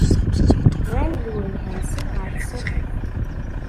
Rran lwelha-nsen ɣer tsertit.